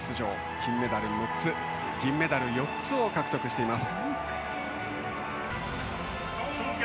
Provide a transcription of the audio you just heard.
金メダル６つ、銀メダル４つを獲得しています。